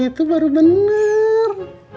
itu baru bener